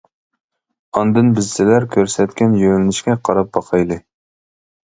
ئاندىن بىز سىلەر كۆرسەتكەن يۆلىنىشكە قاراپ باقايلى.